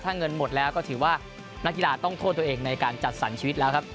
ถ้าเงินหมดแล้วก็ถือว่านักกีฬาต้องโทษตัวเองในการจัดสรรชีวิตแล้วครับ